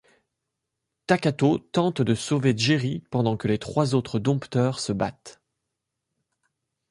Takato tente de sauver Jeri pendant que les trois autres dompteurs se battent.